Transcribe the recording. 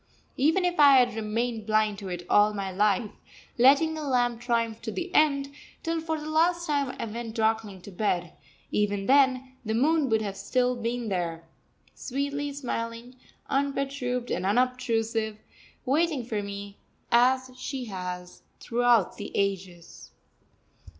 Even if I had remained blind to it all my life, letting the lamp triumph to the end, till for the last time I went darkling to bed, even then the moon would have still been there, sweetly smiling, unperturbed and unobtrusive, waiting for me as she has throughout the ages.